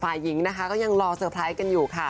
ฝ่ายหญิงนะคะก็ยังรอเซอร์ไพรส์กันอยู่ค่ะ